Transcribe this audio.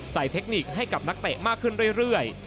เทคนิคให้กับนักเตะมากขึ้นเรื่อย